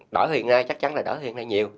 đỡ hơn hiện nay chắc chắn là đỡ hơn hiện nay nhiều